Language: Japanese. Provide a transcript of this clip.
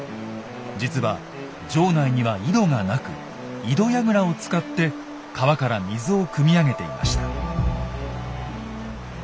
実は城内には井戸がなく井戸櫓を使って川から水をくみ上げていました。